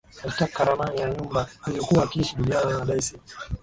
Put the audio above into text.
Alitaka ramani ya nyumba aliyokuwa akiishi Juliana na Daisy